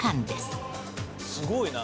「すごいな。